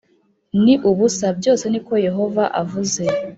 Ni ubusa byose ni ko Yehova avuze